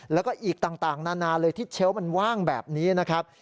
แล้วก็อีกต่างนานาเลยที่เชลล์มันว่างแบบนี้นะครับ